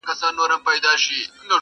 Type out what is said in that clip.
ژوند له پوښتنو ډک پاتې کيږي,